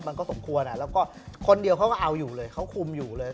มันก็สมควรแล้วก็คนเดียวเขาก็เอาอยู่เลยเขาคุมอยู่เลย